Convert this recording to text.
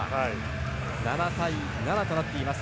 ７対７となっています。